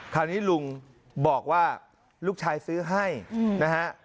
คราวนี้ลุงบอกว่าลูกชายซื้อให้นะฮะ